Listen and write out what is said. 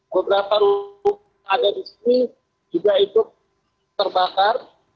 beberapa rumput yang ada di sini juga itu terbakar